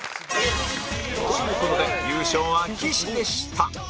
という事で優勝は岸でした